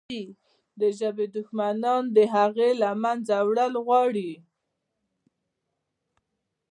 د ژبې دښمنان د هغې له منځه وړل غواړي.